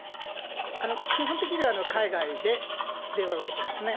基本的には海外で電話受けてますね。